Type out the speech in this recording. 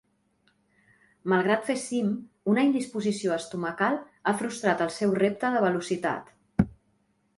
Malgrat fer cim, una indisposició estomacal, ha frustrat el seu repte de velocitat.